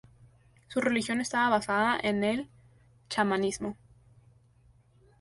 Su religión estaba basada en el chamanismo.